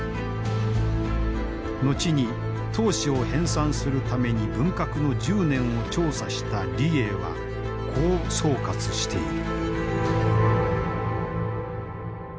後に党史を編さんするために文革の１０年を調査した李鋭はこう総括している。